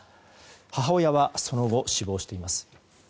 母親はその後、死亡しています。